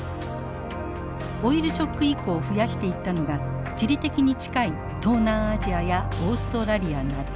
オイルショック以降増やしていったのが地理的に近い東南アジアやオーストラリアなど。